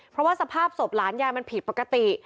เพราะว่าสภาพศพหลานยายมันผิดปกติ